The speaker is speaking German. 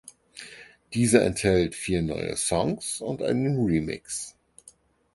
Diese enthält vier neue Songs und einen Remix.